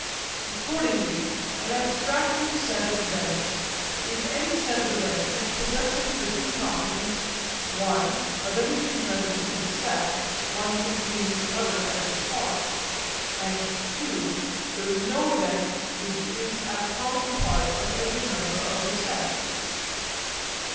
Accordingly an abstractive set of events is any set of events which possesses the two properties, (i) of any two members of the set one contains the other as a part, and (ii) there is no event which is a common part of every member of the set.